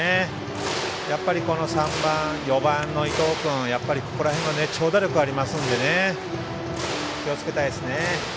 ３番、４番の伊藤君ここら辺は長打力がありますので気をつけたいですね。